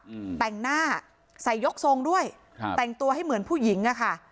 อืมแต่งหน้าใส่ยกทรงด้วยครับแต่งตัวให้เหมือนผู้หญิงอ่ะค่ะ